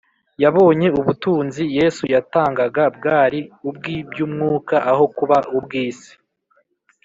yabonye ko ubutunzi yesu yatangaga bwari ubw’iby’umwuka aho kuba ubw’isi